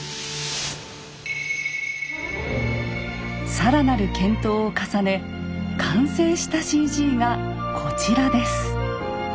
更なる検討を重ね完成したＣＧがこちらです。